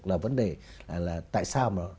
là vấn đề là tại sao